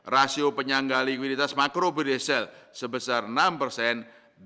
rasio penyangga likuiditas makrobidesel sebesar enam persen